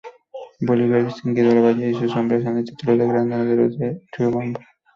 Bolívar distinguió a Lavalle y sus hombres con el título de "Granaderos de Riobamba".